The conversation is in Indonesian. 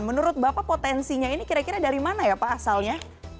menurut bapak potensinya ini kira kira dari mana ya pak asalnya